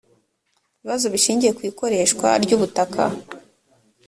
ibibazo bishingiye ku ikoreshwa ry ubutaka